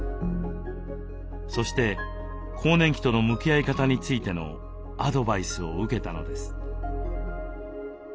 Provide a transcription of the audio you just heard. そして更年期との向き合い方についてのアドバイスを受けたのです。